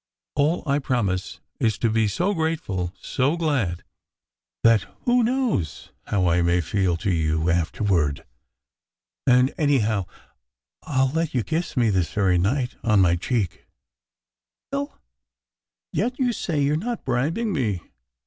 All I promise is to be so grateful, so glad, that who knows how I may feel to you after ward? And anyhow, I ll let you kiss me, this very night on my cheek." "You will? Yet you say you re not bribing me